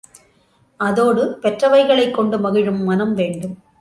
அதோடு பெற்றவைகளைக் கொண்டு மகிழும் மனம் வேண்டும்.